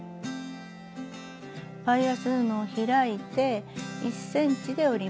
バイアス布を開いて１ｃｍで折ります。